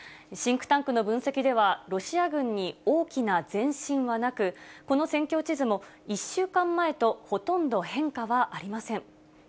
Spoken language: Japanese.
シンクタンクの分析では、ロシア軍に大きな前進はなく、この戦況地図も、１週間前とほとんど変化はありません。